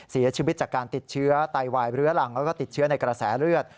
เสียชีวิตจากการติดเชื้อไตวายเรื้อรังแล้วก็ติดเชื้อในกระแสเลือด